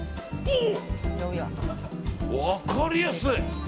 おお、分かりやすい。